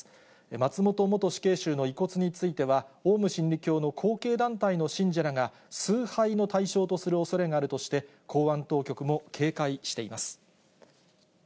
松本元死刑囚の遺骨については、オウム真理教の後継団体の信者らが、崇拝の対象とするおそれがあるとして、公安当局も警戒しています。